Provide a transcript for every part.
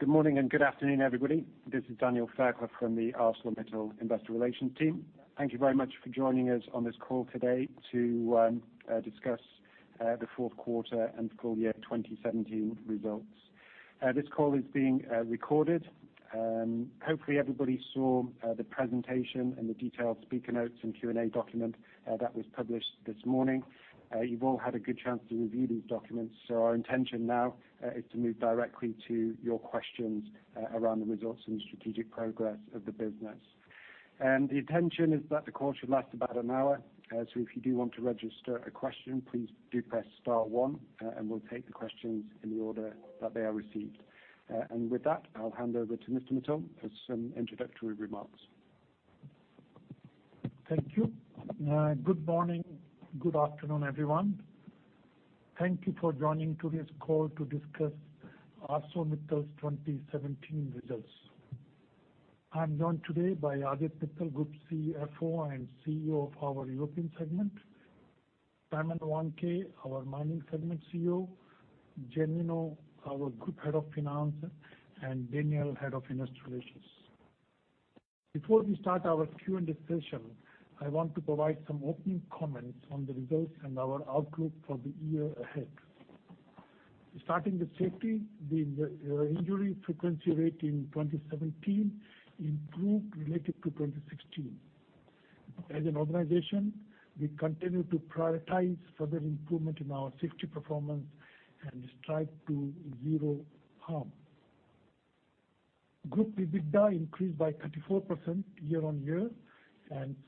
Good morning and good afternoon, everybody. This is Daniel Fairclough from the ArcelorMittal Investor Relations Team. Thank you very much for joining us on this call today to discuss the fourth quarter and full year 2017 results. This call is being recorded. Hopefully, everybody saw the presentation and the detailed speaker notes and Q&A document that was published this morning. You've all had a good chance to review these documents. Our intention now is to move directly to your questions around the results and strategic progress of the business. The intention is that the call should last about an hour. If you do want to register a question, please do press star one, and we'll take the questions in the order that they are received. With that, I'll hand over to Mr. Mittal for some introductory remarks. Thank you. Good morning. Good afternoon, everyone. Thank you for joining today's call to discuss ArcelorMittal's 2017 results. I'm joined today by Aditya Mittal, Group CFO and CEO of our European segment, Simon Wandke, our Mining Segment CEO, Jai Minocha, our Group Head of Finance, and Daniel, Head of Investor Relations. Before we start our Q&A session, I want to provide some opening comments on the results and our outlook for the year ahead. Starting with safety, the injury frequency rate in 2017 improved relative to 2016. As an organization, we continue to prioritize further improvement in our safety performance and strive to zero harm. Group EBITDA increased by 34% year-on-year and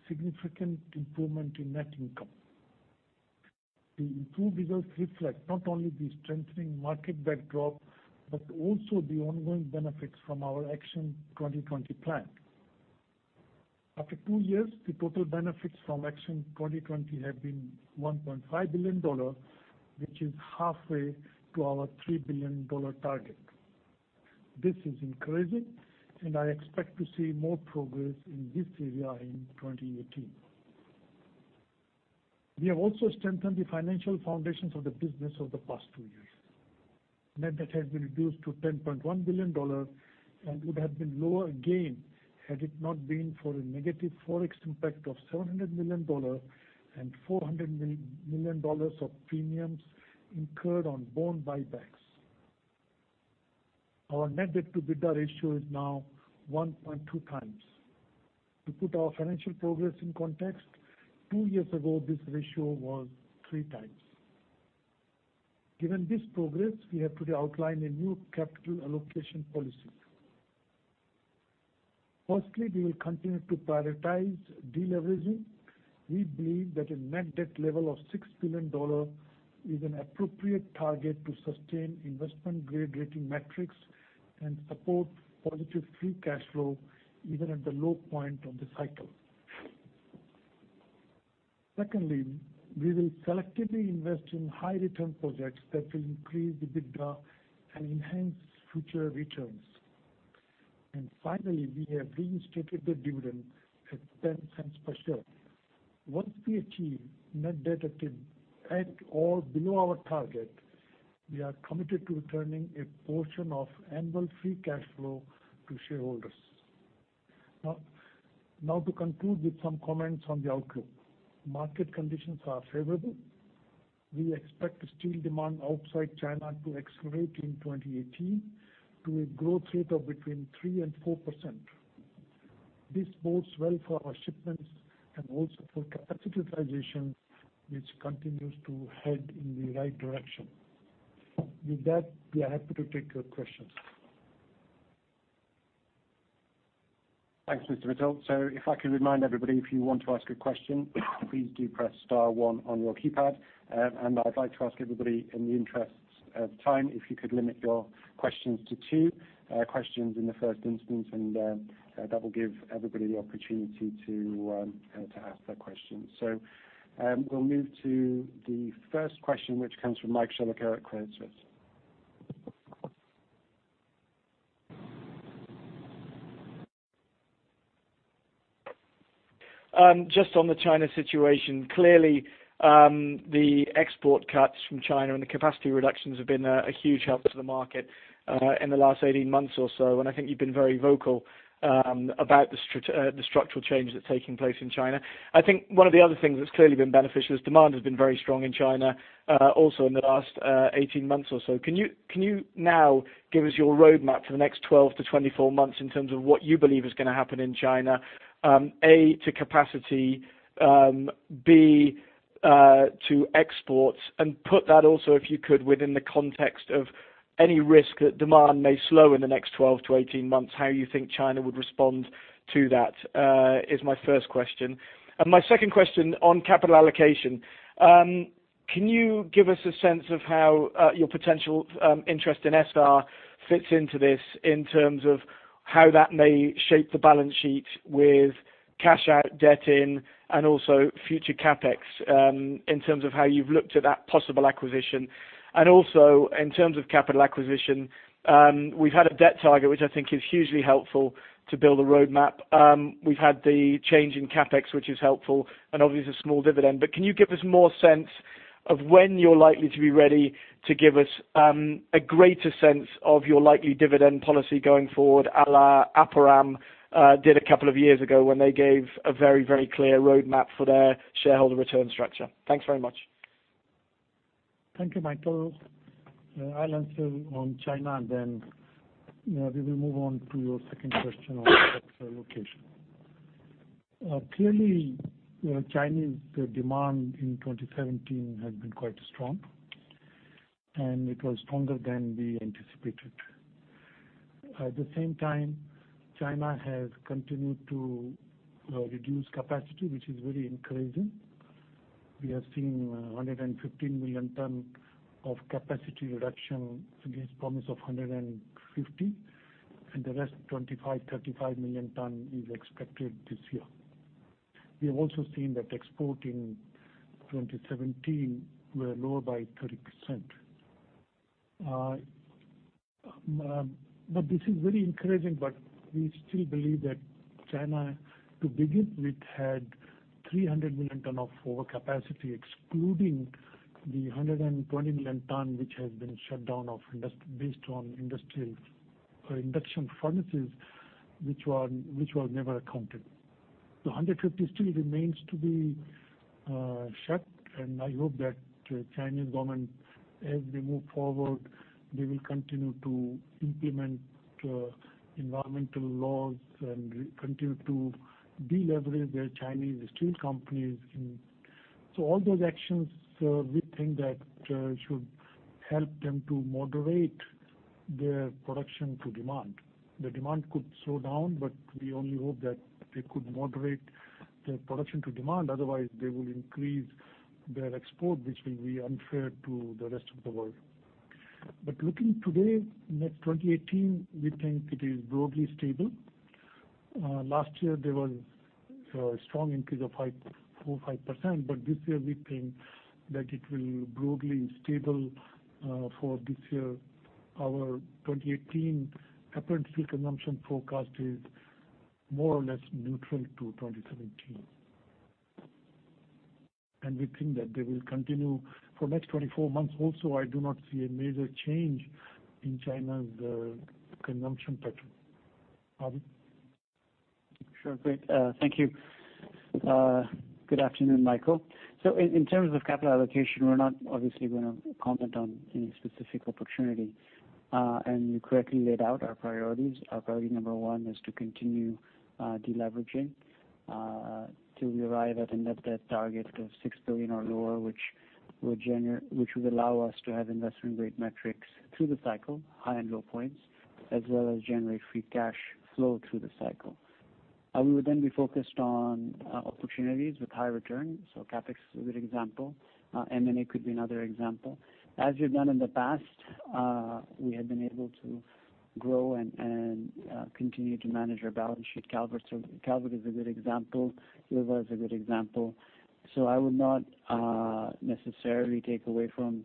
significant improvement in net income. The improved results reflect not only the strengthening market backdrop, but also the ongoing benefits from our Action 2020 plan. After two years, the total benefits from Action 2020 have been $1.5 billion, which is halfway to our $3 billion target. This is encouraging. I expect to see more progress in this area in 2018. We have also strengthened the financial foundations of the business over the past two years. Net debt has been reduced to $10.1 billion and would have been lower again had it not been for a negative Forex impact of $700 million and $400 million of premiums incurred on bond buybacks. Our net debt to EBITDA ratio is now 1.2 times. To put our financial progress in context, two years ago, this ratio was three times. Given this progress, we have to outline a new capital allocation policy. Firstly, we will continue to prioritize de-leveraging. We believe that a net debt level of $6 billion is an appropriate target to sustain investment-grade rating metrics and support positive free cash flow even at the low point of the cycle. Secondly, we will selectively invest in high-return projects that will increase the EBITDA and enhance future returns. Finally, we have reinstated the dividend at $0.10 per share. Once we achieve net debt at or below our target, we are committed to returning a portion of annual free cash flow to shareholders. Now to conclude with some comments on the outlook. Market conditions are favorable. We expect steel demand outside China to accelerate in 2018 to a growth rate of between 3% and 4%. This bodes well for our shipments and also for capacity utilization, which continues to head in the right direction. With that, we are happy to take your questions. Thanks, Mr. Mittal. If I could remind everybody, if you want to ask a question, please do press star 1 on your keypad. I'd like to ask everybody in the interests of time, if you could limit your questions to 2 questions in the first instance, that will give everybody the opportunity to ask their questions. We'll move to the first question, which comes from Mike Shillaker at Credit Suisse. Just on the China situation, clearly, the export cuts from China and the capacity reductions have been a huge help to the market in the last 18 months or so, I think you've been very vocal about the structural change that's taking place in China. I think one of the other things that's clearly been beneficial is demand has been very strong in China, also in the last 18 months or so. Can you now give us your roadmap for the next 12-24 months in terms of what you believe is going to happen in China, a, to capacity, b, to exports, and put that also, if you could, within the context of any risk that demand may slow in the next 12-18 months, how you think China would respond to that, is my first question. My second question on capital allocation. Can you give us a sense of how your potential interest in Essar fits into this in terms of how that may shape the balance sheet with cash out/debt in and also future CapEx, in terms of how you've looked at that possible acquisition? Also, in terms of capital acquisition, we've had a debt target, which I think is hugely helpful to build a roadmap. We've had the change in CapEx, which is helpful and obviously a small dividend. Can you give us more sense of when you're likely to be ready to give us a greater sense of your likely dividend policy going forward, a la Aperam did a couple of years ago when they gave a very clear roadmap for their shareholder return structure. Thanks very much. Thank you, Michael. I'll answer on China, then we will move on to your second question on capital allocation. Clearly, Chinese demand in 2017 has been quite strong, it was stronger than we anticipated. At the same time, China has continued to reduce capacity, which is very encouraging. We have seen 115 million tonne of capacity reduction against promise of 150, and the rest, 25-35 million tonne, is expected this year. We have also seen that export in 2017 were lower by 30%. This is very encouraging, we still believe that China, to begin with, had 300 million tonne of overcapacity, excluding the 120 million tonne, which has been shut down based on induction furnaces, which were never accounted. 150 still remains to be shut, and I hope that Chinese Government, as they move forward, they will continue to implement environmental laws and continue to deleverage their Chinese steel companies. All those actions, we think that should help them to moderate their production to demand. The demand could slow down, but we only hope that they could moderate their production to demand. Otherwise, they will increase their export, which will be unfair to the rest of the world. Looking today, net 2018, we think it is broadly stable. Last year there was a strong increase of 4%-5%, but this year we think that it will broadly stable for this year. Our 2018 apparent steel consumption forecast is more or less neutral to 2017. We think that they will continue for next 24 months also, I do not see a major change in China's consumption pattern. Abhi? Sure. Great. Thank you. Good afternoon, Michael. In terms of capital allocation, we're not obviously going to comment on any specific opportunity. You correctly laid out our priorities. Our priority number 1 is to continue deleveraging to arrive at a net debt target of $6 billion or lower, which would allow us to have investment-grade metrics through the cycle, high and low points, as well as generate free cash flow through the cycle. We would then be focused on opportunities with high return. CapEx is a good example. M&A could be another example. As we've done in the past, we have been able to grow and continue to manage our balance sheet. Calvert is a good example. Ilva is a good example. I would not necessarily take away from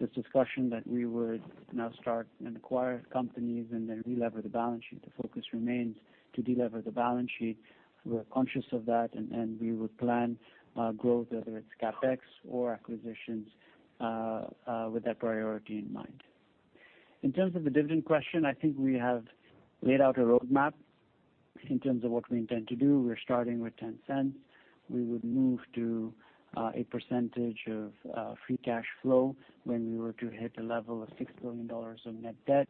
this discussion that we would now start and acquire companies and then delever the balance sheet. The focus remains to delever the balance sheet. We are conscious of that, and we would plan growth, whether it's CapEx or acquisitions, with that priority in mind. In terms of the dividend question, I think we have laid out a roadmap in terms of what we intend to do. We're starting with $0.10. We would move to a percentage of free cash flow when we were to hit a level of $6 billion of net debt.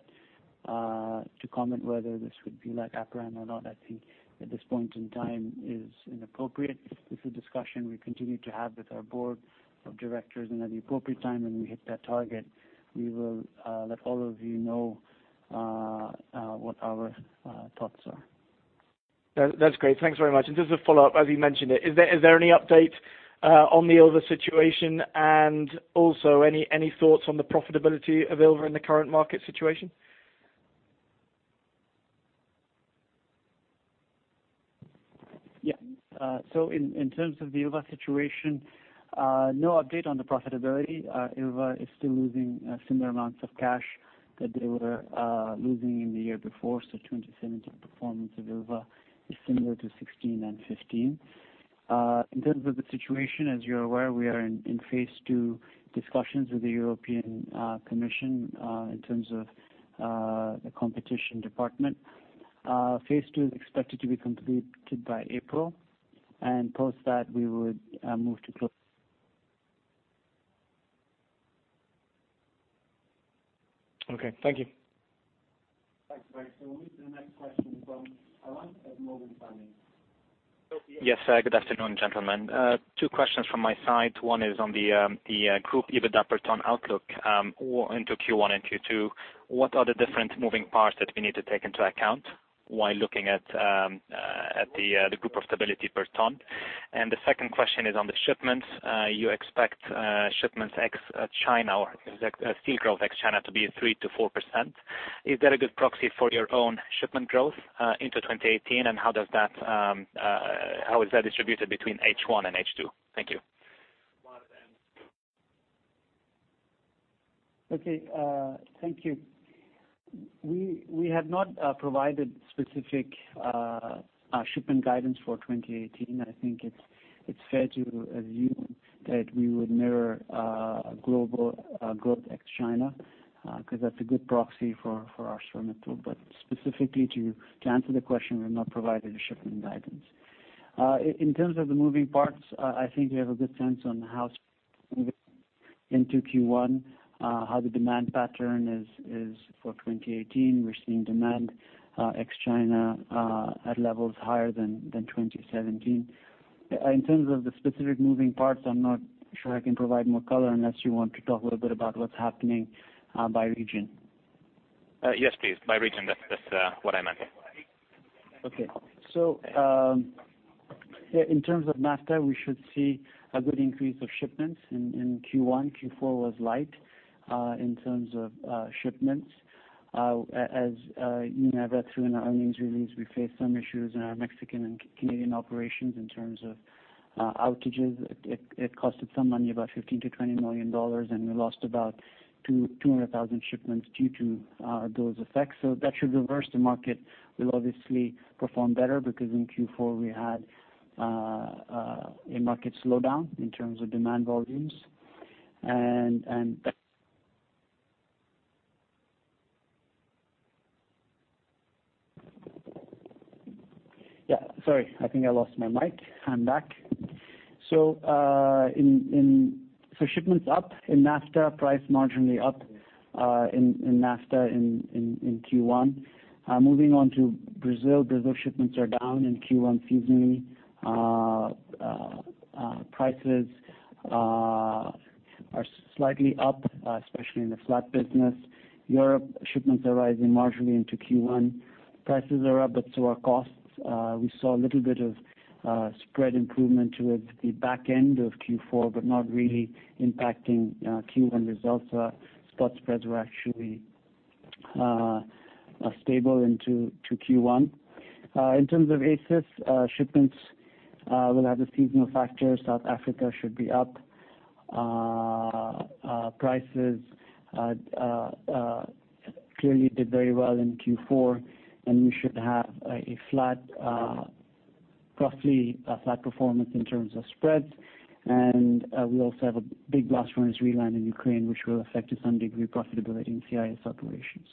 To comment whether this would be like Aperam or not, I think at this point in time is inappropriate. This is a discussion we continue to have with our board of directors, at the appropriate time when we hit that target, we will let all of you know what our thoughts are. That's great. Thanks very much. Just to follow up, as you mentioned it, is there any update on the Ilva situation, and also any thoughts on the profitability of Ilva in the current market situation? Yeah. In terms of the Ilva situation, no update on the profitability. Ilva is still losing similar amounts of cash that they were losing in the year before. 2017 performance of Ilva is similar to 2016 and 2015. In terms of the situation, as you're aware, we are in phase 2 discussions with the European Commission in terms of the competition department. Phase 2 is expected to be completed by April, post that, we would move to close. Okay. Thank you. Thanks, Michael. We'll move to the next question from Alain of Morgan Stanley. Yes. Good afternoon, gentlemen. Two questions from my side. One is on the group EBITDA per tonne outlook into Q1 and Q2. What are the different moving parts that we need to take into account while looking at the group profitability per tonne? The second question is on the shipments. You expect shipments ex China or steel growth ex China to be 3%-4%. Is that a good proxy for your own shipment growth into 2018, and how is that distributed between H1 and H2? Thank you. (Marat). Okay. Thank you. We have not provided specific shipment guidance for 2018. I think it's fair to assume that we would mirror global growth ex-China, because that's a good proxy for ArcelorMittal. Specifically to answer the question, we've not provided a shipment guidance. In terms of the moving parts, I think we have a good sense on how into Q1, how the demand pattern is for 2018. We're seeing demand ex-China at levels higher than 2017. In terms of the specific moving parts, I'm not sure I can provide more color unless you want to talk a little bit about what's happening by region. Yes, please. By region, that's what I meant. Okay. In terms of NAFTA, we should see a good increase of shipments in Q1. Q4 was light in terms of shipments. As you know, through in our earnings release, we faced some issues in our Mexican and Canadian operations in terms of outages. It costed some money, about $15 million-$20 million, and we lost about 200,000 shipments due to those effects. That should reverse. The market will obviously perform better because in Q4 we had a market slowdown in terms of demand volumes. Sorry. I think I lost my mic. I'm back. Shipments up in NAFTA, price marginally up in NAFTA in Q1. Moving on to Brazil. Brazil shipments are down in Q1 seasonally. Prices are slightly up, especially in the flat business. Europe shipments are rising marginally into Q1. Prices are up, but so are costs. We saw a little bit of spread improvement towards the back end of Q4, but not really impacting Q1 results. Our spot spreads were actually stable into Q1. In terms of ACIS, shipments will have a seasonal factor. South Africa should be up. Prices clearly did very well in Q4, and we should have a roughly flat performance in terms of spreads. We also have a big loss from Sri Lanka and Ukraine, which will affect, to some degree, profitability in CIS operations.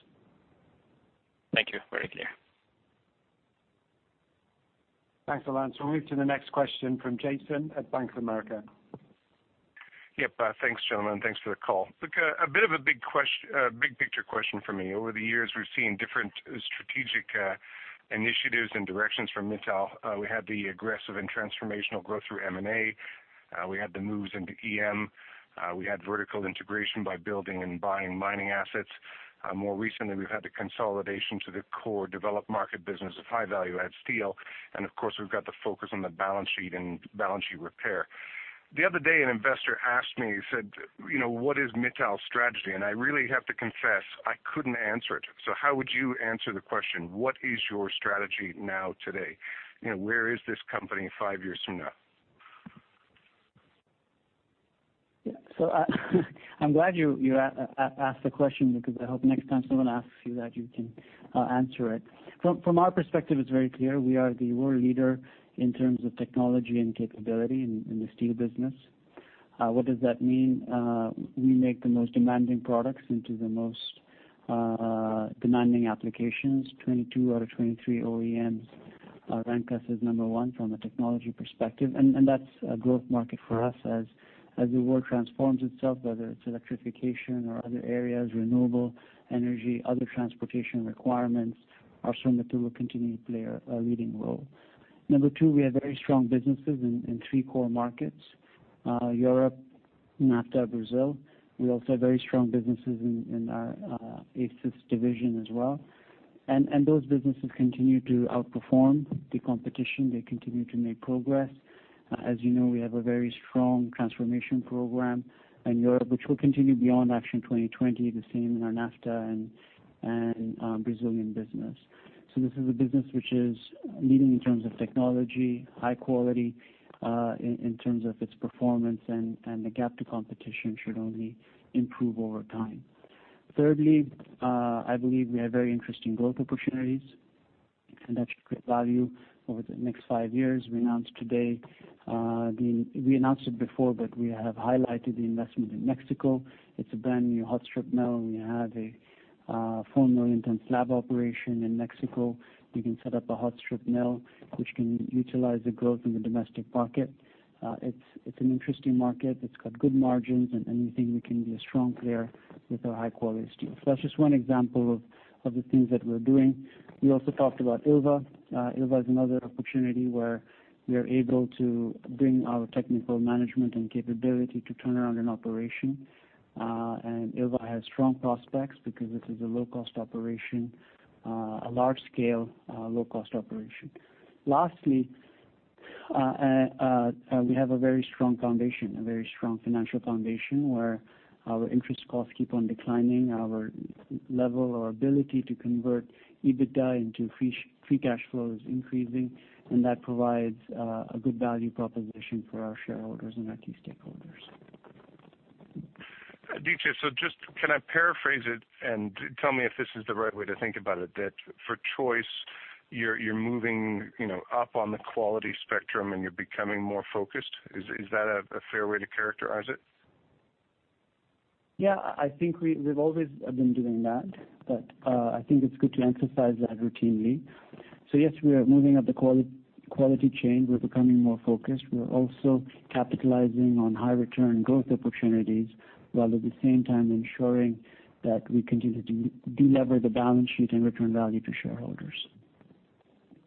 Thank you. Very clear. Thanks, Alain. We'll move to the next question from Jason at Bank of America. Yep. Thanks, gentlemen. Thanks for the call. Look, a bit of a big picture question for me. Over the years, we've seen different strategic initiatives and directions from Mittal. We had the aggressive and transformational growth through M&A. We had the moves into EM. We had vertical integration by building and buying mining assets. More recently, we've had the consolidation to the core developed market business of high-value add steel, and of course, we've got the focus on the balance sheet and balance sheet repair. The other day, an investor asked me, he said, "What is Mittal's strategy?" I really have to confess, I couldn't answer it. How would you answer the question? What is your strategy now today? Where is this company five years from now? Yeah. I'm glad you asked the question because I hope next time someone asks you that you can answer it. From our perspective, it's very clear. We are the world leader in terms of technology and capability in the steel business. What does that mean? We make the most demanding products into the most demanding applications. 22 out of 23 OEMs rank us as number one from a technology perspective, and that's a growth market for us. As the world transforms itself, whether it's electrification or other areas, renewable energy, other transportation requirements, ArcelorMittal will continue to play a leading role. Number 2, we have very strong businesses in 3 core markets, Europe, NAFTA, Brazil. We also have very strong businesses in our ACIS division as well. Those businesses continue to outperform the competition. They continue to make progress. As you know, we have a very strong transformation program in Europe, which will continue beyond Action 2020. The same in our NAFTA and Brazilian business. This is a business which is leading in terms of technology, high quality in terms of its performance, and the gap to competition should only improve over time. Thirdly, I believe we have very interesting growth opportunities, and that should create value over the next five years. We announced it before, but we have highlighted the investment in Mexico. It's a brand new hot strip mill, and we have a full orientation slab operation in Mexico. We can set up a hot strip mill, which can utilize the growth in the domestic market. It's an interesting market. It's got good margins, and we think we can be a strong player with our high-quality steel. That's just one example of the things that we're doing. We also talked about Ilva. Ilva is another opportunity where we are able to bring our technical management and capability to turn around an operation. Ilva has strong prospects because this is a low-cost operation, a large scale, low-cost operation. Lastly, we have a very strong foundation, a very strong financial foundation where our interest costs keep on declining. Our level, our ability to convert EBITDA into free cash flow is increasing, and that provides a good value proposition for our shareholders and our key stakeholders. Aditya, just, can I paraphrase it and tell me if this is the right way to think about it, that for choice you're moving up on the quality spectrum and you're becoming more focused. Is that a fair way to characterize it? Yeah, I think we've always been doing that, I think it's good to emphasize that routinely. Yes, we are moving up the quality chain. We're becoming more focused. We're also capitalizing on high return growth opportunities, while at the same time ensuring that we continue to delever the balance sheet and return value to shareholders.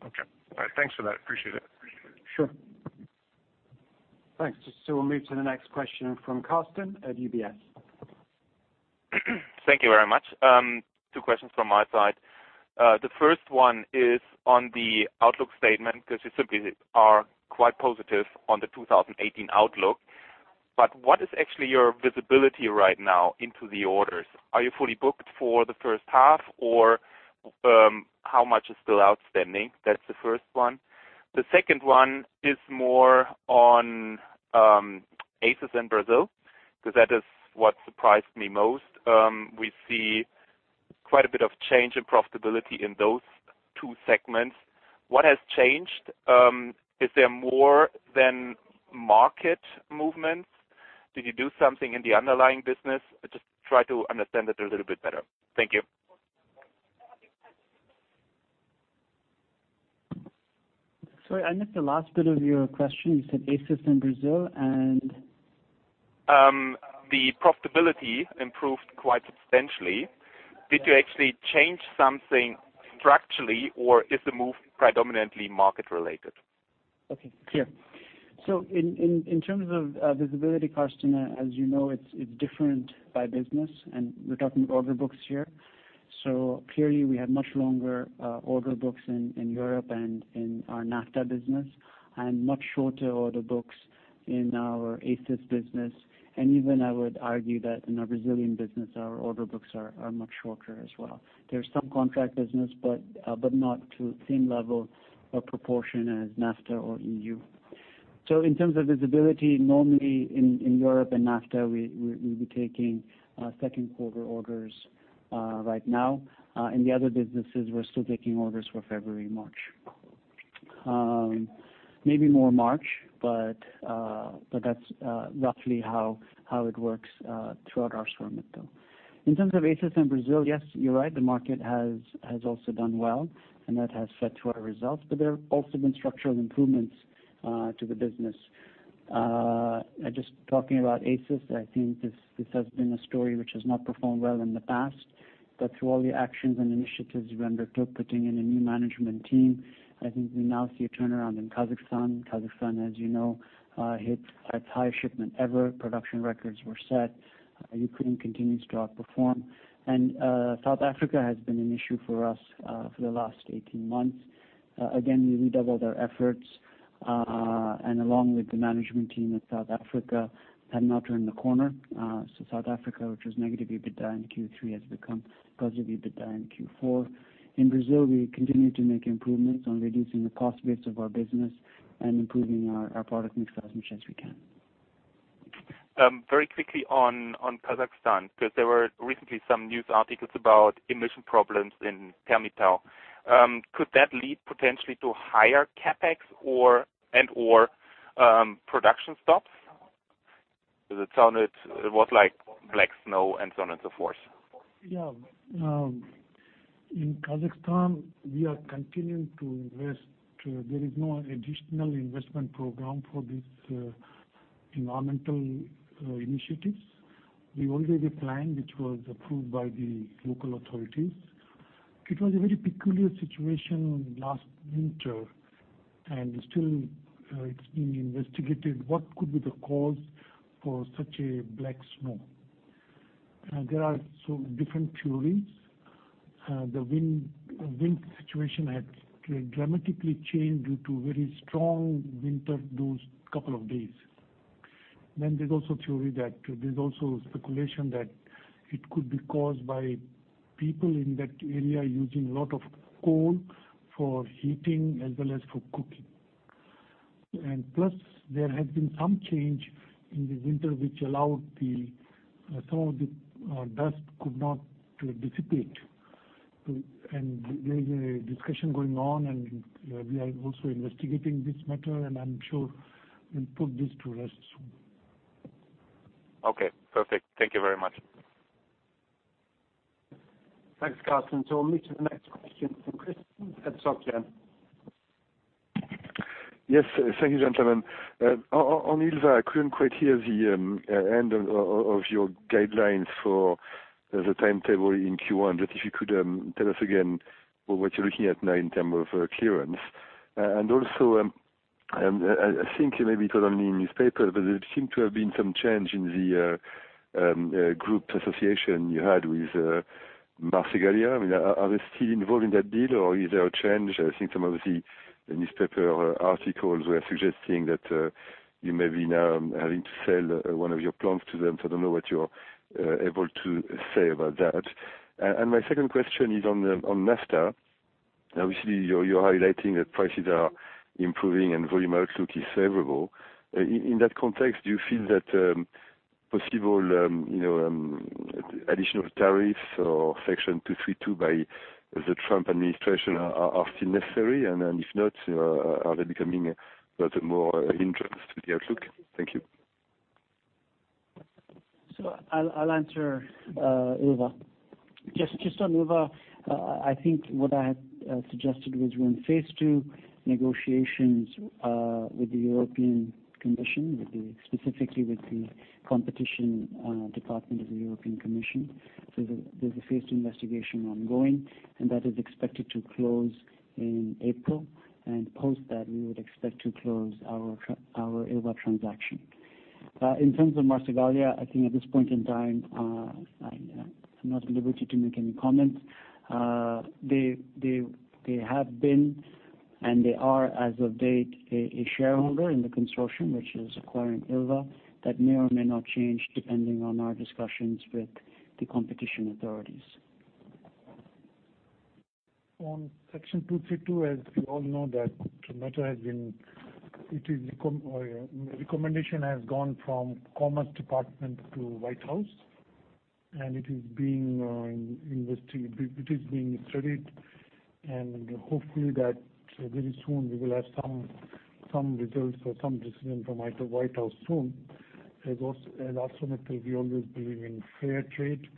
Okay. All right. Thanks for that. Appreciate it. Sure. Thanks. We'll move to the next question from Carsten at UBS. Thank you very much. Two questions from my side. The first one is on the outlook statement, you simply are quite positive on the 2018 outlook. What is actually your visibility right now into the orders? Are you fully booked for the first half, or how much is still outstanding? That's the first one. The second one is more on ACIS and Brazil, that is what surprised me most. We see quite a bit of change in profitability in those two segments. What has changed? Is there more than market movements? Did you do something in the underlying business? Just try to understand it a little bit better. Thank you. Sorry, I missed the last bit of your question. You said ACIS in Brazil, The profitability improved quite substantially. Did you actually change something structurally, is the move predominantly market related? Okay, clear. In terms of visibility, Carsten, as you know, it's different by business, we're talking order books here. Clearly we have much longer order books in Europe in our NAFTA business, much shorter order books in our ACIS business. Even I would argue that in our Brazilian business, our order books are much shorter as well. There's some contract business, not to the same level or proportion as NAFTA or EU. In terms of visibility, normally in Europe and NAFTA, we'll be taking second quarter orders right now. In the other businesses, we're still taking orders for February, March. Maybe more March, that's roughly how it works throughout ArcelorMittal. In terms of ACIS and Brazil, yes, you're right, the market has also done well, and that has fed to our results, but there have also been structural improvements to the business. Just talking about ACIS, I think this has been a story which has not performed well in the past, but through all the actions and initiatives we undertook, putting in a new management team, I think we now see a turnaround in Kazakhstan. Kazakhstan, as you know, hits its highest shipment ever. Production records were set. Ukraine continues to outperform. South Africa has been an issue for us for the last 18 months. Again, we redoubled our efforts, and along with the management team in South Africa, had now turned the corner. South Africa, which was negative EBITDA in Q3, has become positive EBITDA in Q4. In Brazil, we continue to make improvements on reducing the cost base of our business and improving our product mix as much as we can. Very quickly on Kazakhstan, because there were recently some news articles about emission problems in Temirtau. Could that lead potentially to higher CapEx and/or production stops? Because it was like black snow and so on and so forth. In Kazakhstan, we are continuing to invest. There is no additional investment program for these environmental initiatives. We already planned, which was approved by the local authorities. It was a very peculiar situation last winter, and still it's being investigated what could be the cause for such a black snow. There are some different theories. The wind situation had dramatically changed due to very strong winter those couple of days. There's also speculation that it could be caused by people in that area using a lot of coal for heating as well as for cooking. Plus, there has been some change in the winter, which allowed some of the dust could not dissipate. There's a discussion going on, and we are also investigating this matter, and I'm sure we'll put this to rest soon. Okay, perfect. Thank you very much. Thanks, Carsten. We'll move to the next question from Christian at SocGen. Yes. Thank you, gentlemen. On Ilva, I couldn't quite hear the end of your guidelines for the timetable in Q1. If you could tell us again what you're looking at now in term of clearance. Also, I think maybe it was only in newspaper, but there seemed to have been some change in the group association you had with Marcegaglia. Are they still involved in that deal or is there a change? I think some of the newspaper articles were suggesting that you may be now having to sell one of your plants to them. I don't know what you're able to say about that. My second question is on NAFTA. Obviously, you're highlighting that prices are improving and volume outlook is favorable. In that context, do you feel that possible additional tariffs or Section 232 by the Trump administration are still necessary? If not, are they becoming more a hindrance to the outlook? Thank you. I'll answer ILVA. Just on ILVA, I think what I had suggested was we're in phase two negotiations with the European Commission, specifically with the Competition Department of the European Commission. There's a phase two investigation ongoing, and that is expected to close in April, and post that, we would expect to close our ILVA transaction. In terms of Marcegaglia, I think at this point in time, I'm not at liberty to make any comments. They have been, and they are as of date, a shareholder in the consortium which is acquiring ILVA. That may or may not change depending on our discussions with the competition authorities. On Section 232, as we all know that recommendation has gone from Commerce Department to White House, and it is being studied and hopefully very soon we will have some results or some decision from either White House soon. At ArcelorMittal, we always believe in fair trade,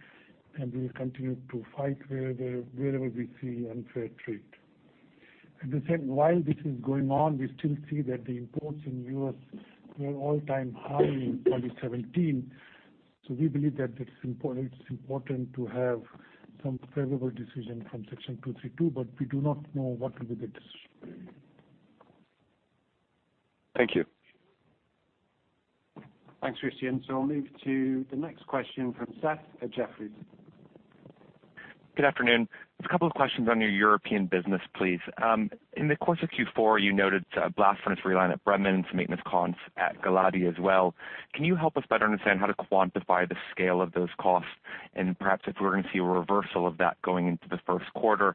and we will continue to fight wherever we see unfair trade. At the same, while this is going on, we still see that the imports in U.S. were all-time high in 2017. We believe that it's important to have some favorable decision from Section 232, but we do not know what will be the decision. Thank you. Thanks, Christian. I'll move to the next question from Seth at Jefferies. Good afternoon. Just a couple of questions on your European business, please. In the course of Q4, you noted a blast furnace reline at Bremen, some maintenance costs at Galati as well. Can you help us better understand how to quantify the scale of those costs, and perhaps if we're going to see a reversal of that going into the first quarter?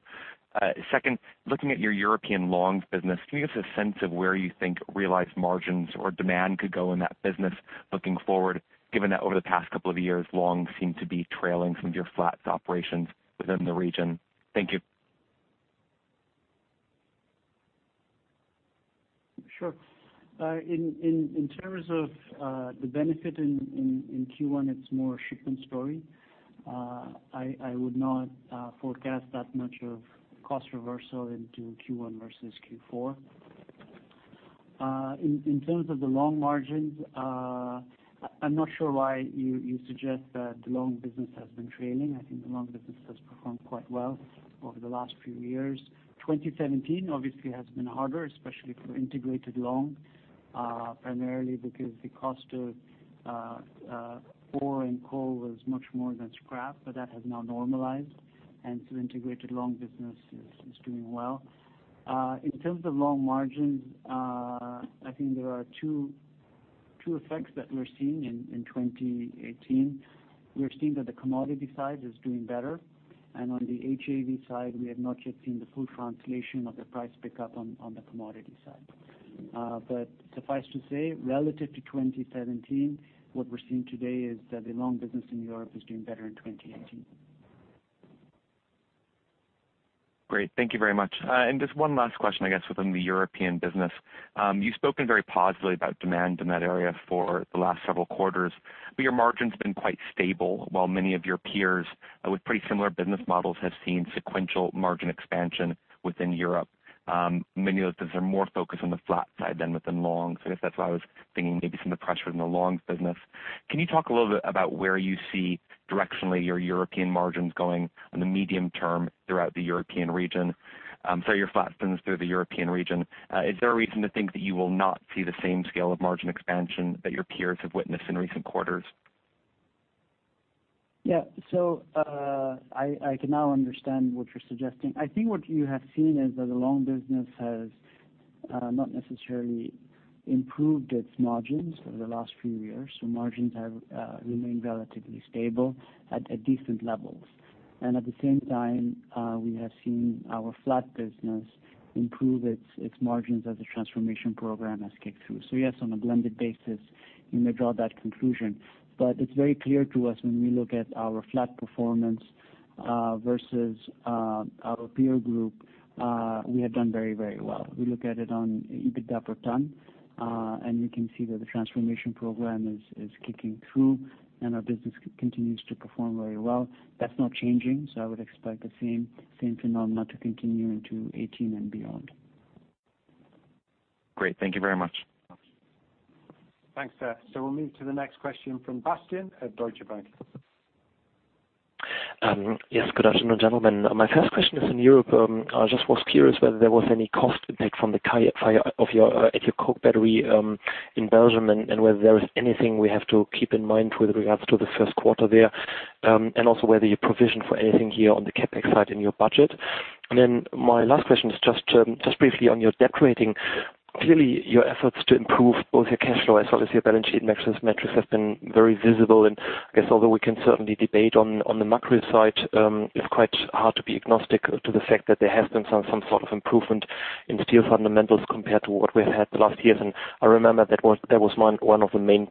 Second, looking at your European longs business, can you give us a sense of where you think realized margins or demand could go in that business looking forward, given that over the past couple of years, longs seem to be trailing some of your flats operations within the region? Thank you. Sure. In terms of the benefit in Q1, it's more a shipment story. I would not forecast that much of cost reversal into Q1 versus Q4. In terms of the long margins, I'm not sure why you suggest that the long business has been trailing. I think the long business has performed quite well over the last few years. 2017 obviously has been harder, especially for integrated long, primarily because the cost of ore and coal was much more than scrap, but that has now normalized, and so integrated long business is doing well. In terms of long margins, I think there are two effects that we're seeing in 2018. We're seeing that the commodity side is doing better, and on the HAV side, we have not yet seen the full translation of the price pickup on the commodity side. Suffice to say, relative to 2017, what we're seeing today is that the long business in Europe is doing better in 2018. Great. Thank you very much. Just one last question, I guess, within the European business. You've spoken very positively about demand in that area for the last several quarters, your margin's been quite stable while many of your peers with pretty similar business models have seen sequential margin expansion within Europe. Many of those are more focused on the flat side than within longs, I guess that's why I was thinking maybe some of the pressure is in the longs business. Can you talk a little bit about where you see directionally your European margins going on the medium term throughout the European region? Sorry, your flat business through the European region. Is there a reason to think that you will not see the same scale of margin expansion that your peers have witnessed in recent quarters? Yeah. I can now understand what you're suggesting. I think what you have seen is that the long business has not necessarily improved its margins over the last few years. Margins have remained relatively stable at decent levels. At the same time, we have seen our flat business improve its margins as the transformation program has kicked through. Yes, on a blended basis, you may draw that conclusion. It's very clear to us when we look at our flat performance versus our peer group, we have done very well. We look at it on EBITDA per ton, and we can see that the transformation program is kicking through and our business continues to perform very well. That's not changing, I would expect the same phenomenon to continue into 2018 and beyond. Great. Thank you very much. Thanks, Seth. We'll move to the next question from Bastian at Deutsche Bank. Yes. Good afternoon, gentlemen. My first question is in Europe. I just was curious whether there was any cost impact from the fire at your coke battery in Belgium, and whether there is anything we have to keep in mind with regards to the first quarter there. Also whether you provisioned for anything here on the CapEx side in your budget. My last question is just briefly on your debt rating. Clearly, your efforts to improve both your cash flow as well as your balance sheet metrics have been very visible. I guess although we can certainly debate on the macro side, it's quite hard to be agnostic to the fact that there has been some sort of improvement in steel fundamentals compared to what we've had the last years. I remember that was one of the main,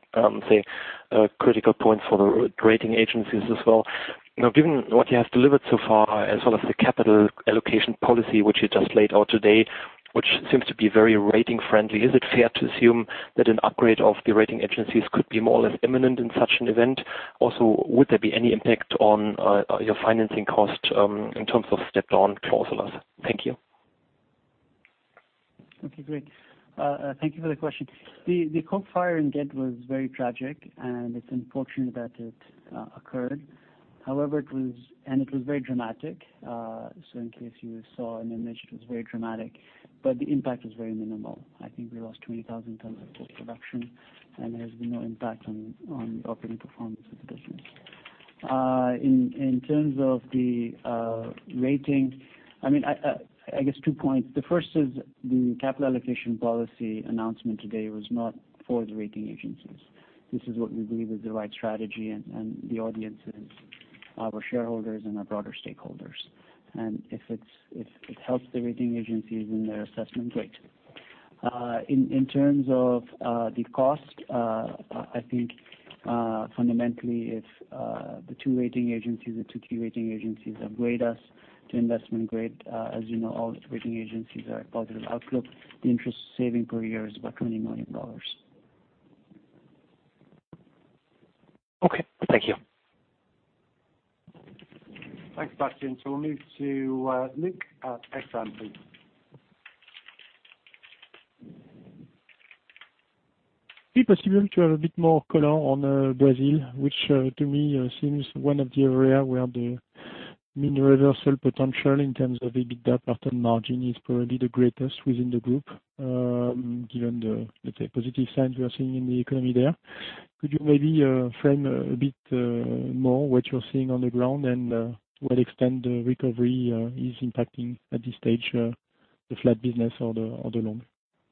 say, critical points for the rating agencies as well. Given what you have delivered so far, as well as the capital allocation policy which you just laid out today, which seems to be very rating friendly, is it fair to assume that an upgrade of the rating agencies could be more or less imminent in such an event? Also, would there be any impact on your financing cost in terms of step-up clauses? Thank you. Okay, great. Thank you for the question. The coke fire in Ghent was very tragic, and it is unfortunate that it occurred. However, and it was very dramatic. In case you saw an image, it was very dramatic, but the impact was very minimal. I think we lost 20,000 tons of (post-production), and there has been no impact on operating performance of the business. In terms of the rating, I guess two points. The first is the capital allocation policy announcement today was not for the rating agencies. This is what we believe is the right strategy and the audience is our shareholders and our broader stakeholders. If it helps the rating agencies in their assessment, great. In terms of the cost, I think fundamentally if the two key rating agencies upgrade us to investment grade, as you know, all the rating agencies are positive outlook, the interest saving per year is about $20 million. Okay. Thank you. Thanks, Bastian. We'll move to Luc at Exane, please. It would be possible to have a bit more color on Brazil, which to me seems one of the areas where the mini reversal potential in terms of EBITDA margin is probably the greatest within the group, given the, let's say, positive signs we are seeing in the economy there. Could you maybe frame a bit more what you're seeing on the ground and to what extent the recovery is impacting at this stage, the flat business or the long?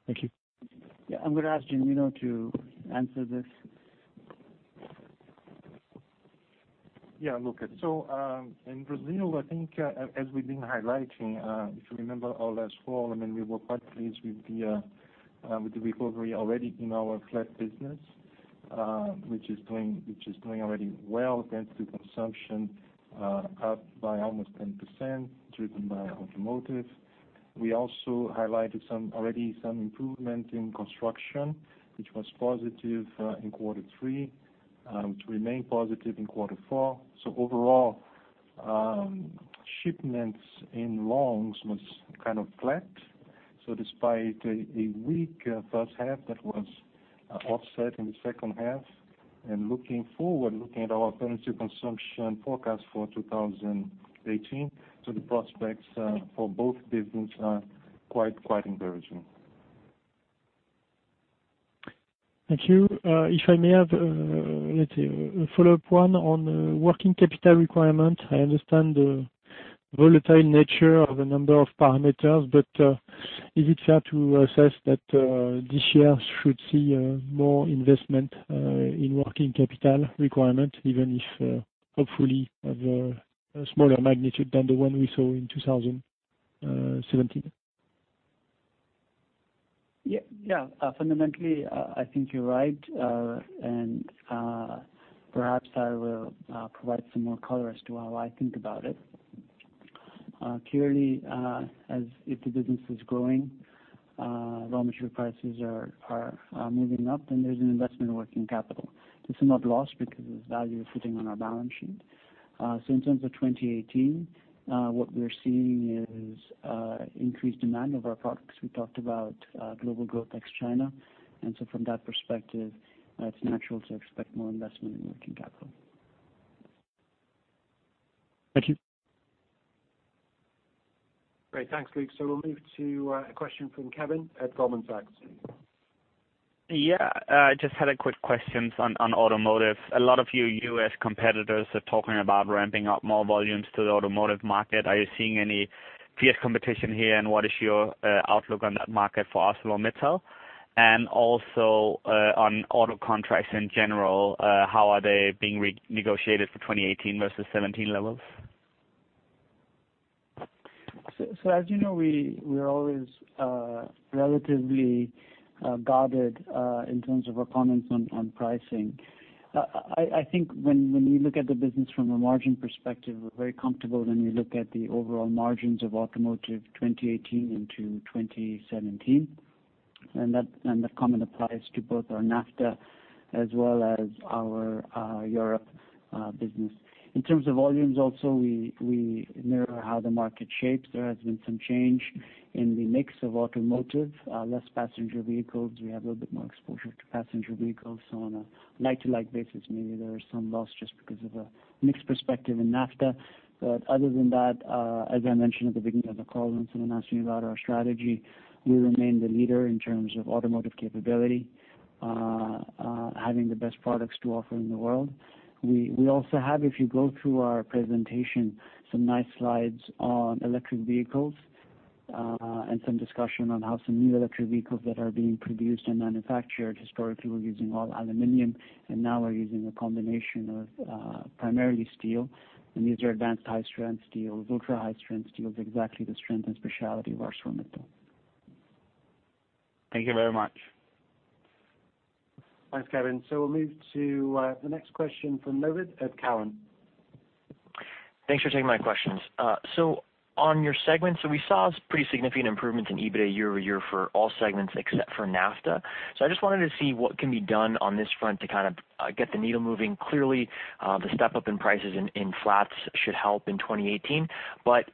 Thank you. Yeah, I'm going to ask Genuino to answer this. Yeah, Luc. In Brazil, I think as we've been highlighting, if you remember our last call, we were quite pleased with the recovery already in our flat business, which is doing already well against the consumption up by almost 10%, driven by automotive. We also highlighted already some improvement in construction, which was positive in Q3, to remain positive in Q4. Overall, shipments in longs was kind of flat. Despite a weak first half, that was offset in the second half. Looking forward, looking at our apparent consumption forecast for 2018, the prospects for both businesses are quite encouraging. Thank you. If I may have, let's say, a follow-up one on working capital requirement. I understand the volatile nature of a number of parameters. Is it fair to assess that this year should see more investment in working capital requirement, even if hopefully of a smaller magnitude than the one we saw in 2017? Yeah. Fundamentally, I think you're right, and perhaps I will provide some more color as to how I think about it. Clearly, as if the business is growing, raw material prices are moving up and there's an investment in working capital. It's not lost because its value is sitting on our balance sheet. In terms of 2018, what we're seeing is increased demand of our products. We talked about global growth ex China, from that perspective, it's natural to expect more investment in working capital. Thank you. Great. Thanks, Luc. We'll move to a question from Kevin at Goldman Sachs. Yeah. I just had a quick question on automotive. A lot of your U.S. competitors are talking about ramping up more volumes to the automotive market. Are you seeing any fierce competition here, and what is your outlook on that market for ArcelorMittal? Also, on auto contracts in general, how are they being re-negotiated for 2018 versus 2017 levels? As you know, we are always relatively guarded in terms of our comments on pricing. I think when you look at the business from a margin perspective, we're very comfortable when you look at the overall margins of automotive 2018 into 2017. That comment applies to both our NAFTA as well as our Europe business. In terms of volumes, also, we mirror how the market shapes. There has been some change in the mix of automotive, less passenger vehicles. We have a little bit more exposure to passenger vehicles. On a like-to-like basis, maybe there is some loss just because of a mix perspective in NAFTA. Other than that, as I mentioned at the beginning of the call when someone asked me about our strategy, we remain the leader in terms of automotive capability. Having the best products to offer in the world. We also have, if you go through our presentation, some nice slides on electric vehicles, and some discussion on how some new electric vehicles that are being produced and manufactured historically were using all aluminum and now are using a combination of primarily steel. These are advanced high-strength steel, ultra-high strength steel is exactly the strength and specialty of ArcelorMittal. Thank you very much. Thanks, Kevin. We'll move to the next question from Navid at Cowen. Thanks for taking my questions. On your segments, we saw pretty significant improvements in EBITDA year-over-year for all segments except for NAFTA. I just wanted to see what can be done on this front to get the needle moving. Clearly, the step-up in prices in flats should help in 2018. Is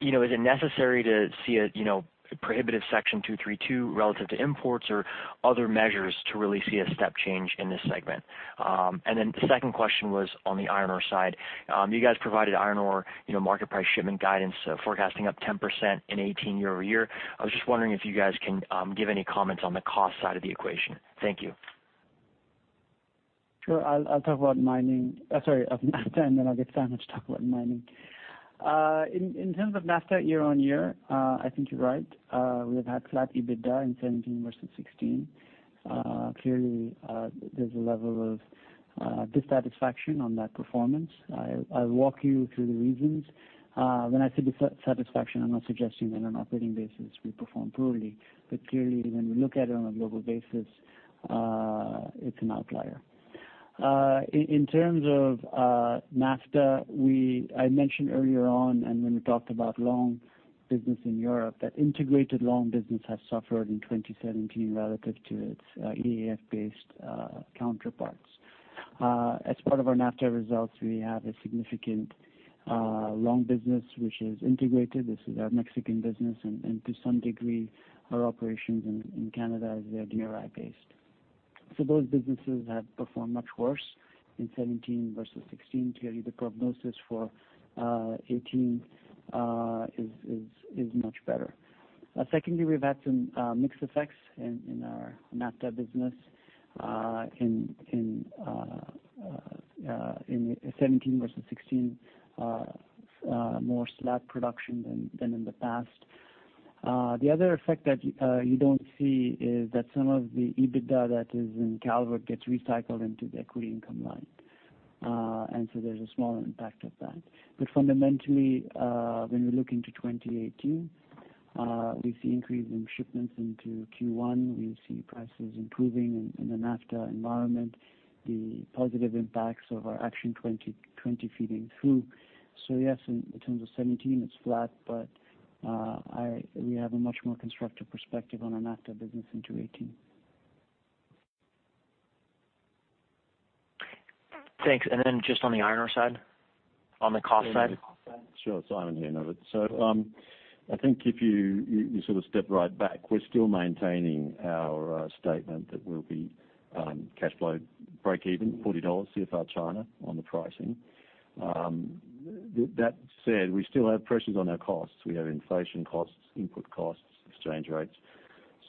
it necessary to see a prohibitive Section 232 relative to imports or other measures to really see a step change in this segment? The second question was on the iron ore side. You guys provided iron ore market price shipment guidance forecasting up 10% in 2018 year-over-year. I was just wondering if you guys can give any comments on the cost side of the equation. Thank you. Sure. I'll talk about mining. Sorry, NAFTA. I'll get Simon to talk about mining. In terms of NAFTA year-on-year, I think you're right. We have had flat EBITDA in 2017 versus 2016. Clearly, there's a level of dissatisfaction on that performance. I'll walk you through the reasons. When I say dissatisfaction, I'm not suggesting that on an operating basis we performed poorly, clearly when we look at it on a global basis, it's an outlier. In terms of NAFTA, I mentioned earlier on when we talked about long business in Europe, that integrated long business has suffered in 2017 relative to its EAF-based counterparts. As part of our NAFTA results, we have a significant long business which is integrated. This is our Mexican business and to some degree, our operations in Canada as they are DRI based. Those businesses have performed much worse in 2017 versus 2016. Clearly, the prognosis for 2018 is much better. Secondly, we've had some mixed effects in our NAFTA business in 2017 versus 2016. More slab production than in the past. The other effect that you don't see is that some of the EBITDA that is in Calvert gets recycled into the equity income line. There's a small impact of that. Fundamentally, when we look into 2018, we see increase in shipments into Q1. We see prices improving in the NAFTA environment, the positive impacts of our Action 2020 feeding through. Yes, in terms of 2017 it's flat we have a much more constructive perspective on our NAFTA business into 2018. Thanks. Just on the iron ore side, on the cost side. Sure. Simon here, Navid. I think if you sort of step right back, we're still maintaining our statement that we'll be cash flow breakeven at $40 CFR China on the pricing. That said, we still have pressures on our costs. We have inflation costs, input costs, exchange rates.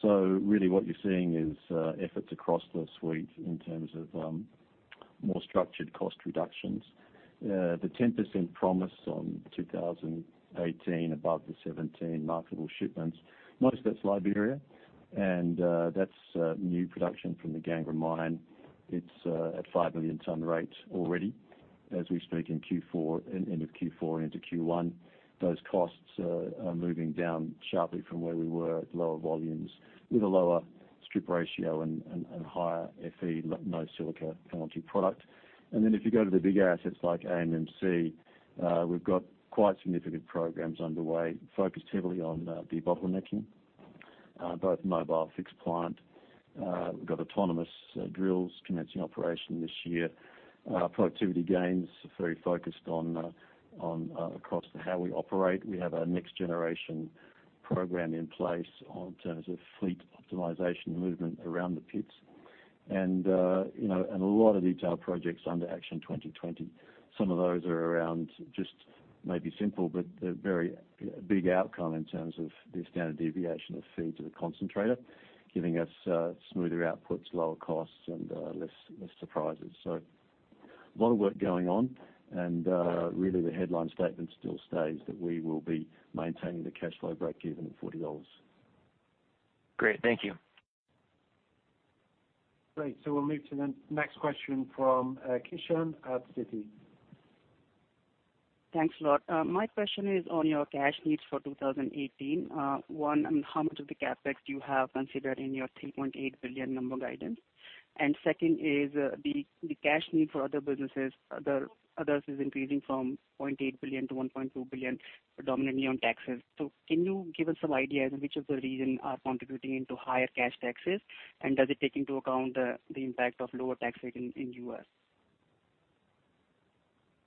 Really what you're seeing is efforts across the suite in terms of more structured cost reductions. The 10% promise on 2018 above the 2017 marketable shipments, most of that's Liberia and that's new production from the Gangra mine. It's at 5 million ton rate already as we speak in end of Q4 into Q1. Those costs are moving down sharply from where we were at lower volumes with a lower strip ratio and higher FE low silica quality product. If you go to the big assets like AMMC, we've got quite significant programs underway focused heavily on debottlenecking, both mobile and fixed plant. We've got autonomous drills commencing operation this year. Productivity gains are very focused on across how we operate. We have our next generation program in place in terms of fleet optimization movement around the pits. A lot of detailed projects under Action 2020. Some of those are around just maybe simple, but they're very big outcome in terms of the standard deviation of feed to the concentrator, giving us smoother outputs, lower costs, and less surprises. A lot of work going on and really the headline statement still stays that we will be maintaining the cash flow breakeven at $40. Great. Thank you. Great. We'll move to the next question from Kishan at Citi. Thanks a lot. My question is on your cash needs for 2018. One, how much of the CapEx do you have considered in your $3.8 billion number guidance? Second is the cash need for other businesses, others is increasing from $0.8 billion to $1.2 billion predominantly on taxes. Can you give us some ideas on which of the reason are contributing into higher cash taxes and does it take into account the impact of lower tax rate in U.S.?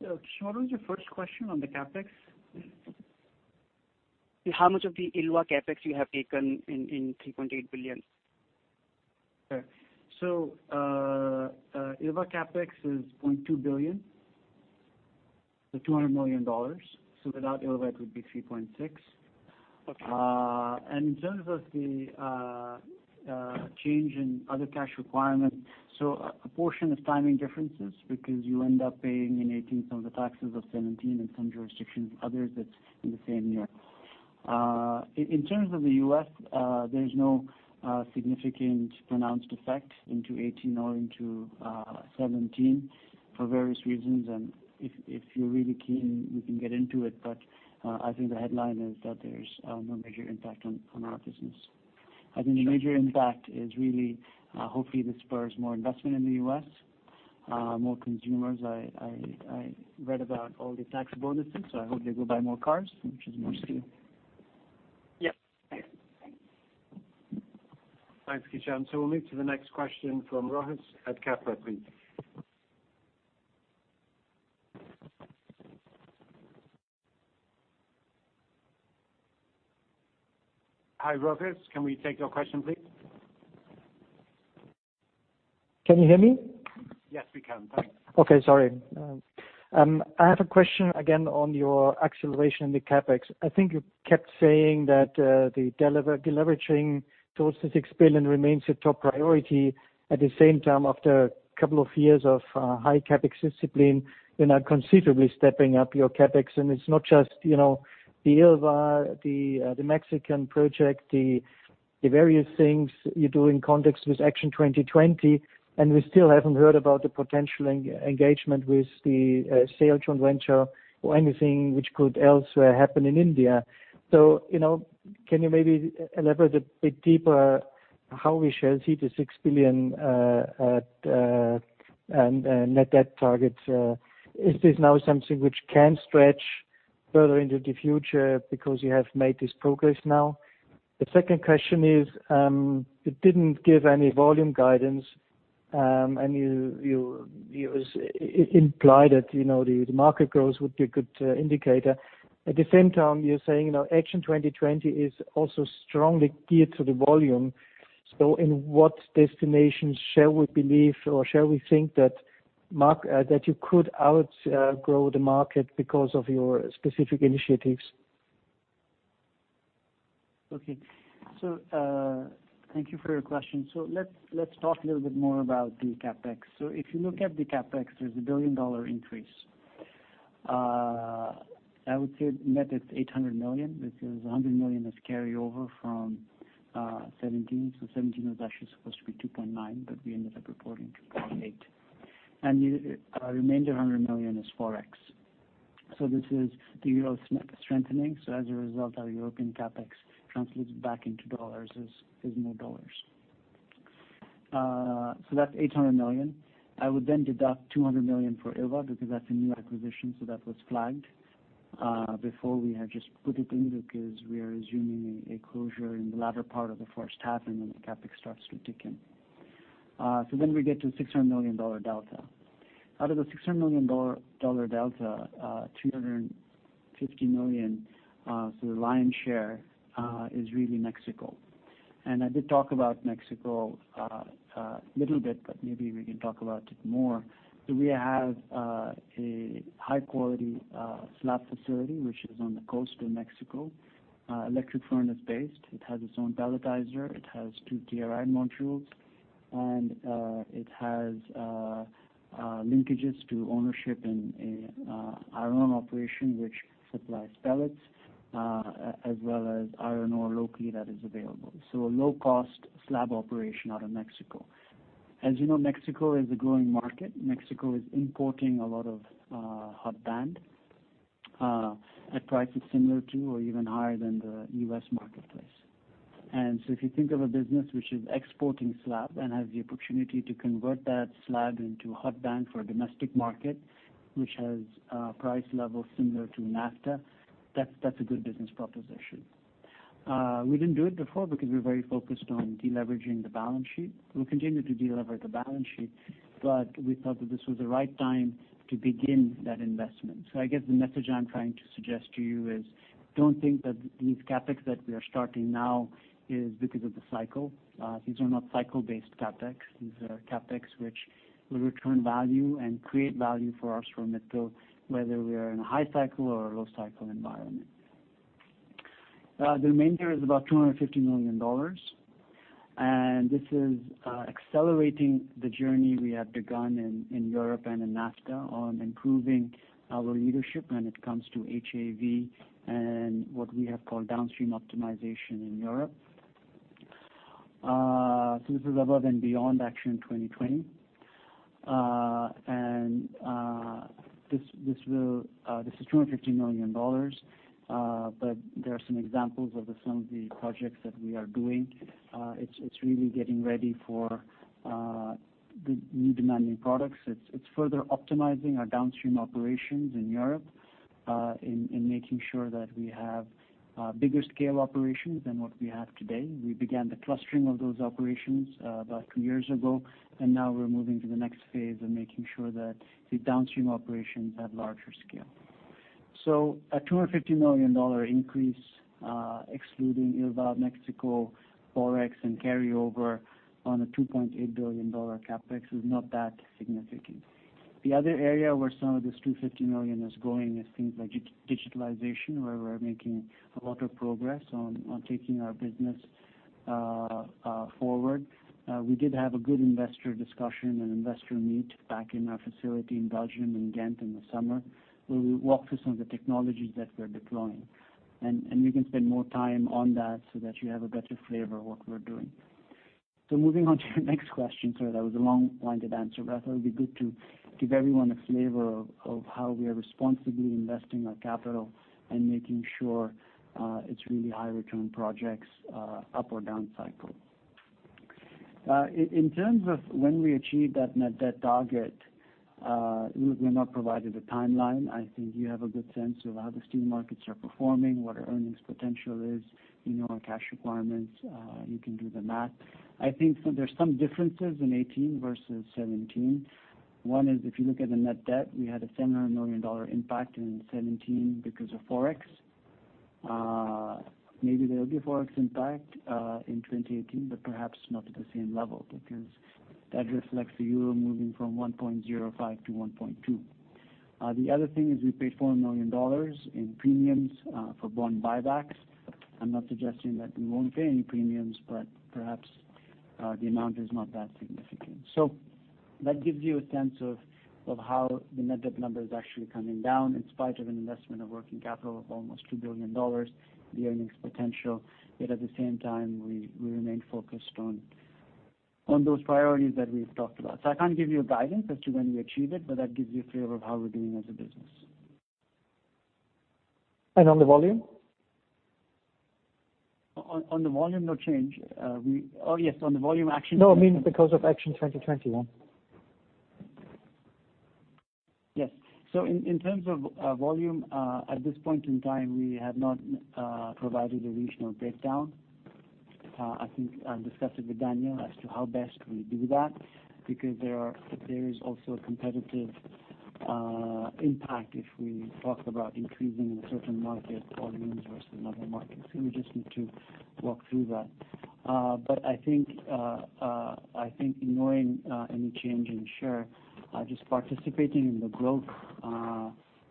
Sure. Kishan, what was your first question on the CapEx? How much of the Ilva CapEx you have taken in $3.8 billion? Okay. Ilva CapEx is $0.2 billion. The $200 million. Without Ilva, it would be $3.6 billion. Okay. In terms of the change in other cash requirements, a portion is timing differences, because you end up paying in 2018 some of the taxes of 2017 in some jurisdictions. Others, it's in the same year. In terms of the U.S., there's no significant pronounced effect into 2018 or into 2017 for various reasons. If you're really keen, we can get into it. I think the headline is that there's no major impact on our business. I think the major impact is really, hopefully this spurs more investment in the U.S., more consumers. I read about all the tax bonuses, I hope they go buy more cars, which is more steel. Yeah. Thanks. Thanks, Kishan. We'll move to the next question from Rochus at Kepler, please. Hi, Rochus, can we take your question, please? Can you hear me? Yes, we can. Thanks. Okay. Sorry. I have a question again on your acceleration in the CapEx. I think you kept saying that the deleveraging towards the $6 billion remains a top priority. At the same time, after a couple of years of high CapEx discipline, you're now considerably stepping up your CapEx. It's not just the Ilva, the Mexican project, the various things you do in context with Action 2020, and we still haven't heard about the potential engagement with the SAIL joint venture or anything which could elsewhere happen in India. Can you maybe elaborate a bit deeper how we shall see the $6 billion at net debt target? Is this now something which can stretch further into the future because you have made this progress now? The second question is, you didn't give any volume guidance, and you implied that the market growth would be a good indicator. At the same time, you're saying Action 2020 is also strongly geared to the volume. In what destinations shall we believe, or shall we think that you could outgrow the market because of your specific initiatives? Okay. Thank you for your question. Let's talk a little bit more about the CapEx. If you look at the CapEx, there's a $1 billion increase. I would say net is $800 million because $100 million is carryover from 2017. 2017 was actually supposed to be $2.9 billion, but we ended up reporting $2.8 billion. The remainder $100 million is ForEx. This is the EUR strengthening. As a result, our European CapEx translates back into USD as more USD. That's $800 million. I would deduct $200 million for Ilva because that's a new acquisition, that was flagged. Before we had just put it in because we are assuming a closure in the latter part of the first half, and the CapEx starts to tick in. We get to a $600 million delta. Out of the $600 million delta, $250 million, the lion's share, is really Mexico. I did talk about Mexico a little bit, but maybe we can talk about it more. We have a high-quality slab facility, which is on the coast of Mexico. Electric furnace-based. It has its own pelletizer. It has two DRI modules, and it has linkages to ownership in our own operation, which supplies pellets, as well as iron ore locally that is available. A low-cost slab operation out of Mexico. As you know, Mexico is a growing market. Mexico is importing a lot of hot band at prices similar to or even higher than the U.S. marketplace. If you think of a business which is exporting slab and has the opportunity to convert that slab into hot band for a domestic market, which has price levels similar to NAFTA, that's a good business proposition. We didn't do it before because we were very focused on deleveraging the balance sheet. We'll continue to deleverage the balance sheet, but we thought that this was the right time to begin that investment. I guess the message I'm trying to suggest to you is, don't think that these CapEx that we are starting now is because of the cycle. These are not cycle-based CapEx. These are CapEx which will return value and create value for ArcelorMittal, whether we are in a high cycle or a low cycle environment. The remainder is about $250 million. This is accelerating the journey we have begun in Europe and in NAFTA on improving our leadership when it comes to HAV and what we have called downstream optimization in Europe. This is above and beyond Action 2020. This is EUR 250 million. There are some examples of some of the projects that we are doing. It's really getting ready for the new demanding products. It's further optimizing our downstream operations in Europe, in making sure that we have bigger scale operations than what we have today. We began the clustering of those operations about two years ago, and now we're moving to the next phase of making sure that the downstream operations have larger scale. A EUR 250 million increase, excluding Ilva Mexico, ForEx, and carryover on a EUR 2.8 billion CapEx is not that significant. The other area where some of this 250 million is going is things like digitalization, where we're making a lot of progress on taking our business forward. We did have a good investor discussion and investor meet back in our facility in Belgium, in Ghent in the summer, where we walked through some of the technologies that we're deploying. We can spend more time on that so that you have a better flavor of what we're doing. Moving on to your next question. Sorry, that was a long-winded answer, but I thought it'd be good to give everyone a flavor of how we are responsibly investing our capital and making sure it's really high return projects up or down cycle. In terms of when we achieve that net debt target, we have not provided a timeline. I think you have a good sense of how the steel markets are performing, what our earnings potential is. You know our cash requirements. You can do the math. I think there's some differences in 2018 versus 2017. One is, if you look at the net debt, we had a EUR 700 million impact in 2017 because of ForEx. Maybe there'll be a ForEx impact in 2018, but perhaps not at the same level, because that reflects the euro moving from 1.05 to 1.2. The other thing is we paid EUR 400 million in premiums for bond buybacks. I'm not suggesting that we won't pay any premiums, but perhaps the amount is not that significant. That gives you a sense of how the net debt number is actually coming down in spite of an investment of working capital of almost EUR 2 billion, the earnings potential, yet at the same time, we remain focused on those priorities that we've talked about. I can't give you a guidance as to when we achieve it, but that gives you a flavor of how we're doing as a business. On the volume? On the volume, no change. Oh yes, on the volume. No, I mean because of Action 2020. In terms of volume, at this point in time, we have not provided a regional breakdown. I think I've discussed it with Daniel as to how best we do that because there is also a competitive impact if we talk about increasing in a certain market or volumes versus another market. We just need to walk through that. I think ignoring any change in share, just participating in the growth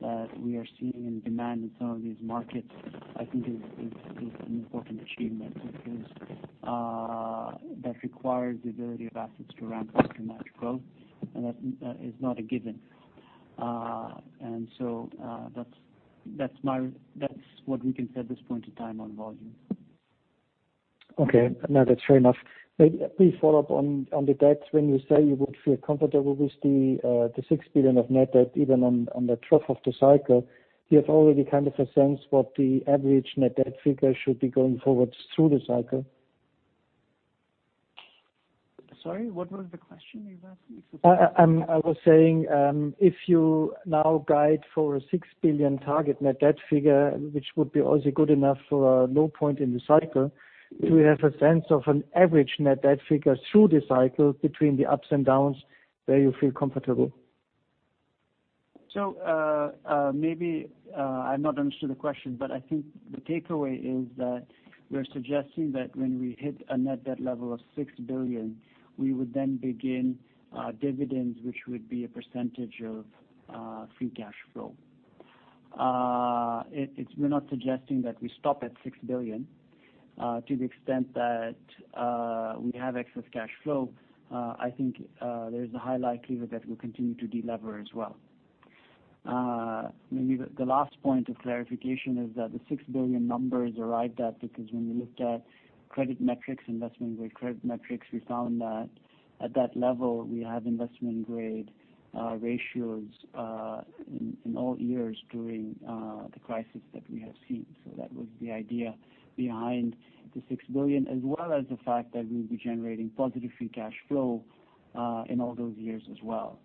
that we are seeing in demand in some of these markets, I think is an important achievement because that requires the ability of assets to ramp up to match growth, and that is not a given. That's what we can say at this point in time on volume. Okay. No, that's fair enough. A brief follow-up on the debt. When you say you would feel comfortable with the $6 billion of net debt even on the trough of the cycle, do you have already kind of a sense what the average net debt figure should be going forward through the cycle? Sorry, what was the question you asked me? I was saying, if you now guide for a $6 billion target net debt figure, which would be also good enough for a low point in the cycle, do we have a sense of an average net debt figure through the cycle between the ups and downs where you feel comfortable? Maybe I've not understood the question, but I think the takeaway is that we're suggesting that when we hit a net debt level of $6 billion, we would then begin dividends, which would be a percentage of free cash flow. We're not suggesting that we stop at $6 billion. To the extent that we have excess cash flow, I think there is a high likelihood that we'll continue to de-lever as well. Maybe the last point of clarification is that the $6 billion number is arrived at because when we looked at credit metrics, investment grade credit metrics, we found that at that level, we have investment grade ratios in all years during the crisis that we have seen. That was the idea behind the $6 billion, as well as the fact that we'll be generating positive free cash flow in all those years as well.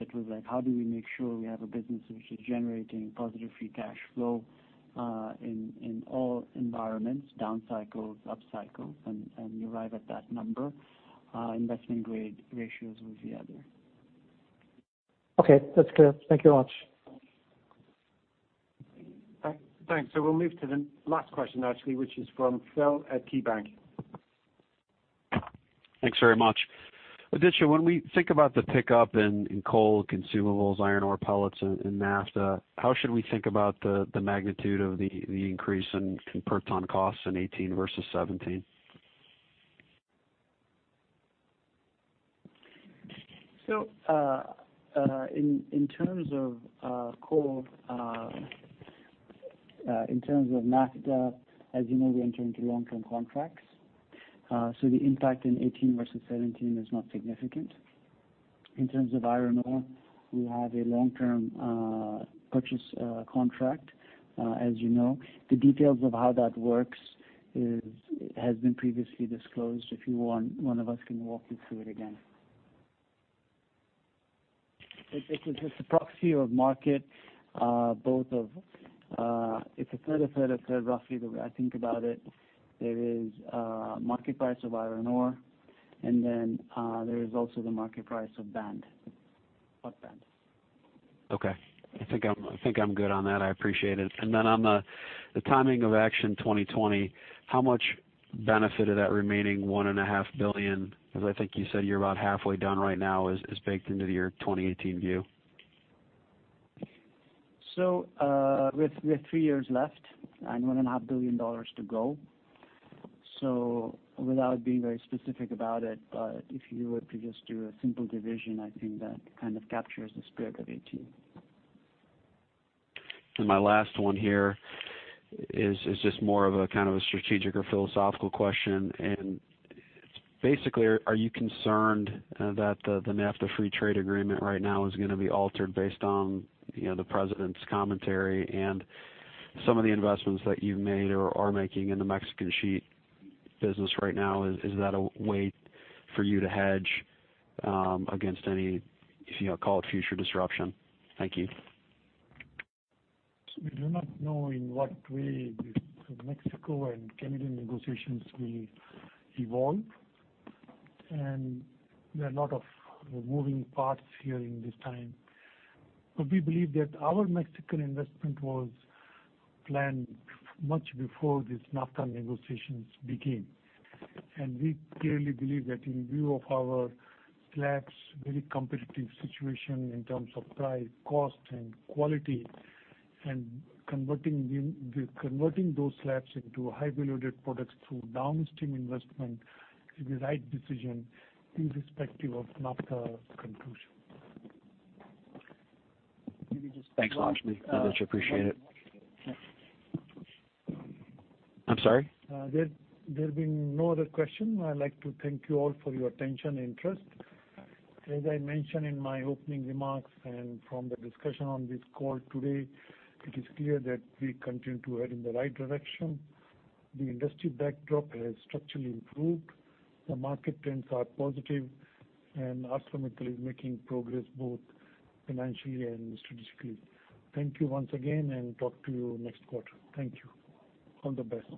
it was like, how do we make sure we have a business which is generating positive free cash flow in all environments, down cycles, up cycles, and you arrive at that number. Investment grade ratios was the other. Okay. That's clear. Thank you much. Thanks. We'll move to the last question actually, which is from Phil at KeyBanc. Thanks very much. Aditya, when we think about the pickup in coal consumables, iron ore pellets in NAFTA, how should we think about the magnitude of the increase in per ton costs in 2018 versus 2017? In terms of coal, in terms of NAFTA, as you know, we enter into long-term contracts. The impact in 2018 versus 2017 is not significant. In terms of iron ore, we have a long-term purchase contract, as you know. The details of how that works has been previously disclosed. If you want, one of us can walk you through it again. It's a proxy of market. It's a third, third, roughly the way I think about it. There is market price of iron ore. Then there is also the market price of band, hot band. Okay. I think I'm good on that, I appreciate it. On the timing of Action 2020, how much benefit of that remaining $1.5 billion, because I think you said you're about halfway done right now, is baked into your 2018 view? With three years left and $1.5 billion to go, without being very specific about it, but if you were to just do a simple division, I think that kind of captures the spirit of 2018. My last one here is just more of a kind of a strategic or philosophical question. Basically, are you concerned that the NAFTA free trade agreement right now is gonna be altered based on the president's commentary and some of the investments that you've made or are making in the Mexican sheet business right now? Is that a way for you to hedge against any, call it, future disruption? Thank you. We do not know in what way the Mexico and Canadian negotiations will evolve, and there are a lot of moving parts here in this time. We believe that our Mexican investment was planned much before these NAFTA negotiations began. We clearly believe that in view of our slabs, very competitive situation in terms of price, cost, and quality, and converting those slabs into high-value added products through downstream investment is the right decision irrespective of NAFTA conclusion. Thanks, Lakshmi. Much appreciate it. I'm sorry? There have been no other question. I'd like to thank you all for your attention and interest. As I mentioned in my opening remarks and from the discussion on this call today, it is clear that we continue to head in the right direction. The industry backdrop has structurally improved. The market trends are positive, and ArcelorMittal is making progress both financially and strategically. Thank you once again, and talk to you next quarter. Thank you. All the best.